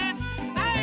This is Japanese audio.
はい！